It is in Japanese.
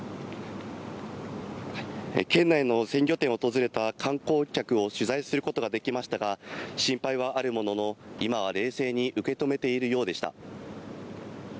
県内の鮮魚店を訪れた観光客を取材することができましたが、心配はあるものの、今は冷静に受け止めているようでした。